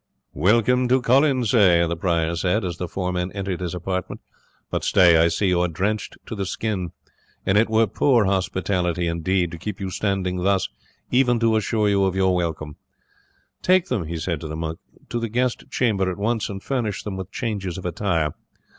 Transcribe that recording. "Welcome to Colonsay!" the prior said, as the four men entered his apartment; "but stay I see you are drenched to the skin; and it were poor hospitality, indeed, to keep you standing thus even to assure you of your welcome. Take them," he said to the monk, "to the guest chamber at once, and furnish them with changes of attire.